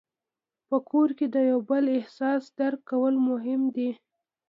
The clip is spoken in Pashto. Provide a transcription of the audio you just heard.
په کور کې د یو بل احساس درک کول مهم دي.